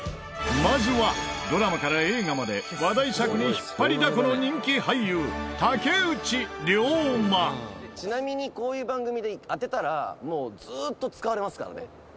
まずはドラマから映画まで話題作に引っ張りだこの「ちなみにこういう番組で当てたらもうずーっと使われますからね」